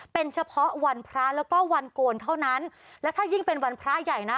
เป็นเฉพาะวันพระแล้วก็วันโกนเท่านั้นและถ้ายิ่งเป็นวันพระใหญ่นะ